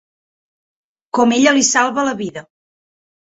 Com ella li salva la vida.